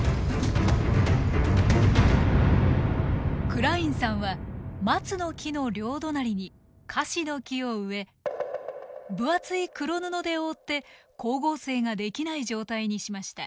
クラインさんはマツの木の両隣にカシノキを植え分厚い黒布で覆って光合成ができない状態にしました。